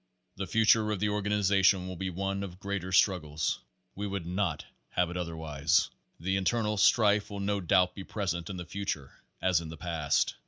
The future of the organization will be one of greater struggles. We would not have it otherwise. The in ternal strife will no doubt be present in the future as in the past.